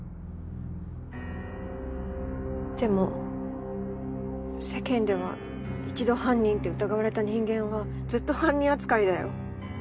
でも世間では一度犯人って疑われた人間はずっと犯人扱いだよ。